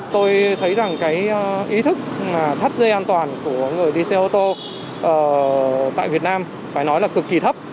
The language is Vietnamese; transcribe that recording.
tôi thấy rằng cái ý thức thắt dây an toàn của người đi xe ô tô tại việt nam phải nói là cực kỳ thấp